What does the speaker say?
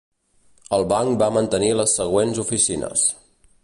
El banc va mantenir les següents oficines.